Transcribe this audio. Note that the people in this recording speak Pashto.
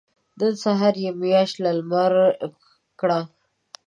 نن سهار يې مياشت له لمره کړه.